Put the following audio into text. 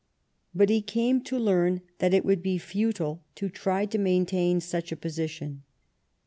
But he came to learn that it would be futile to try to maintain such a position.